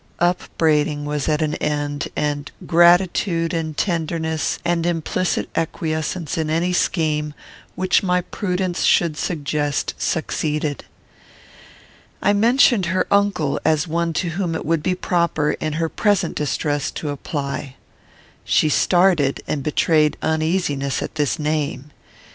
Upbraiding was at an end; and gratitude, and tenderness, and implicit acquiescence in any scheme which my prudence should suggest, succeeded. I mentioned her uncle as one to whom it would be proper, in her present distress, to apply. She started and betrayed uneasiness at this name.